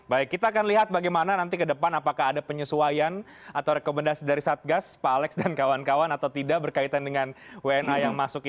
baik kita akan lihat bagaimana nanti ke depan apakah ada penyesuaian atau rekomendasi dari satgas pak alex dan kawan kawan atau tidak berkaitan dengan wna yang masuk ini